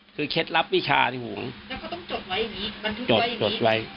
คือเคล็ดลับวิชาที่ห่วงแล้วก็ต้องจดไว้อย่างนี้จดจดไว้